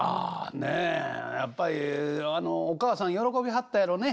ねっやっぱりお母さん喜びはったやろね。